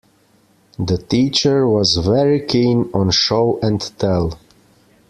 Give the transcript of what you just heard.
The teacher was very keen on Show and Tell.